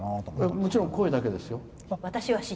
もちろん、声だけですよ。